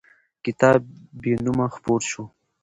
کتاب بېنومه خپور شو.